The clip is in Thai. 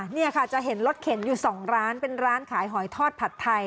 นี่ค่ะจะเห็นรถเข็นอยู่๒ร้านเป็นร้านขายหอยทอดผัดไทย